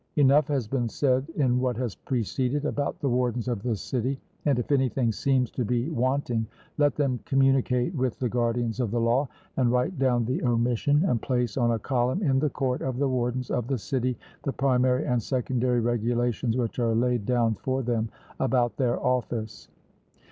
Enough has been said in what has preceded about the wardens of the city, and if anything seems to be wanting, let them communicate with the guardians of the law, and write down the omission, and place on a column in the court of the wardens of the city the primary and secondary regulations which are laid down for them about their office.